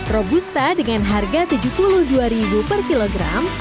robusta dengan harga rp tujuh puluh dua per kilogram